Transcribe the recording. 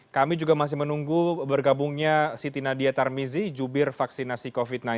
kami juga masih menunggu bergabungnya siti nadia tarmizi jubir vaksinasi covid sembilan belas